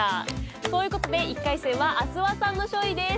という事で１回戦は阿諏訪さんの勝利です。